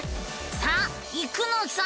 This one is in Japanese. さあ行くのさ！